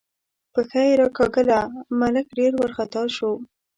پښه یې راکاږله، ملک ډېر وارخطا شو.